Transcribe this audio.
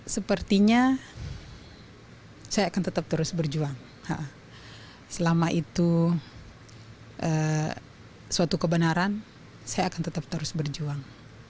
sepertinya saya akan tetap terus berjuang selama itu suatu kebenaran saya akan tetap terus berjuang